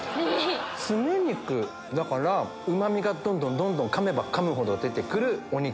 すね肉だからうまみがどんどんどんどんかめばかむほど出てくるお肉。